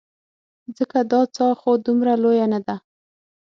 ځکه دا څاه خو دومره لویه نه ده.